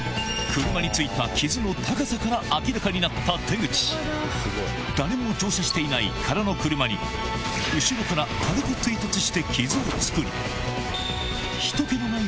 車に付いた傷の高さから明らかになった手口誰も乗車していない空の車に後ろから軽くそこでそうです。